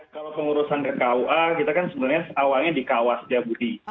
kalau pengurusan ke kua kita kan awalnya di kawas jabudi